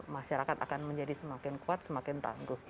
masyarakat akan menjadi semakin kuat semakin tangguh